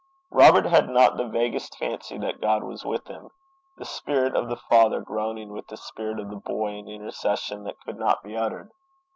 Robert had not the vaguest fancy that God was with him the spirit of the Father groaning with the spirit of the boy in intercession that could not be uttered.